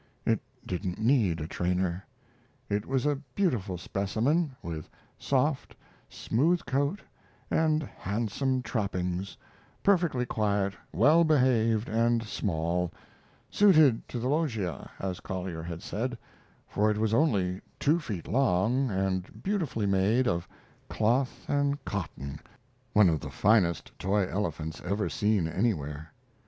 It didn't need a trainer. It was a beautiful specimen, with soft, smooth coat and handsome trappings, perfectly quiet, well behaved and small suited to the loggia, as Collier had said for it was only two feet long and beautifully made of cloth and cotton one of the forest toy elephants ever seen anywhere.